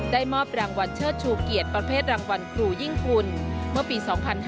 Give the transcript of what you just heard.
ได้มอบรางวัลเชิดชูเกียรติประเภทรางวัลครูยิ่งกุลเมื่อปี๒๕๕๙